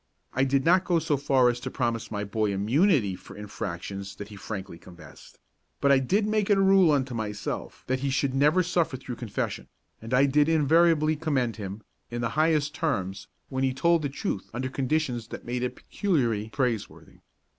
I did not go so far as to promise my boy immunity for infractions that he frankly confessed; but I did make it a rule unto myself that he should never suffer through confession, and I did invariably commend him, in the highest terms, when he told the truth under conditions that made it peculiarly praiseworthy.